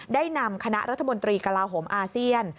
ได้นำคณะรัฐมนตรีกลาโหมอาเซียน